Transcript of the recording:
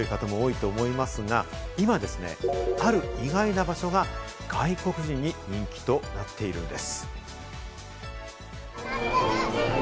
お出かけするという方も多いと思いますが、今、ある意外な場所が外国人に人気となっているんです。